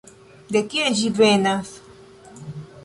De kie ĝi venas?